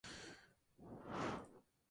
Rauch vive y trabaja en Leipzig, Alemania.